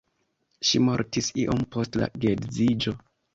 Ŝi mortis iom post la geedziĝo.